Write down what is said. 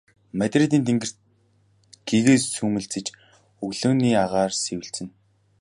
Мадридын тэнгэрт гэгээ сүүмэлзэж өглөөний агаар сэвэлзэнэ.